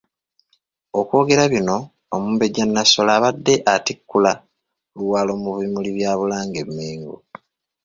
Okwogera bino Omumbejja Nassolo abadde atikkula Luwalo mu bimuli bya Bulange e Mmengo .